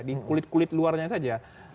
di kulit kulit luarnya saja